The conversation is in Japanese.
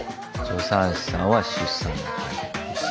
助産師さんは出産の介助。